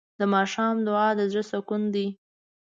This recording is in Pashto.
د ماښام دعا د زړه سکون دی.